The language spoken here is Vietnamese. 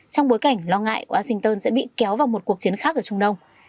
trong bối cảnh lo ngại của washington sẽ bị kéo vào một cuộc chiến khác ở trung đông